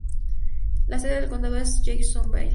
La sede del condado es Jacksonville.